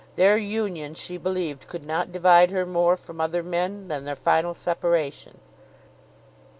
Their union, she believed, could not divide her more from other men, than their final separation.